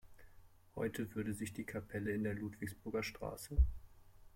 Heute würde sich die Kapelle in der Ludwigsburger Str.